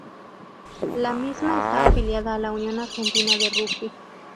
La misma está afiliada a la Unión Argentina de Rugby.